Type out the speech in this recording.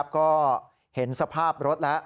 ก็เห็นสภาพรถแล้ว